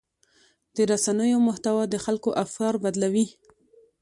د رسنیو محتوا د خلکو افکار بدلوي.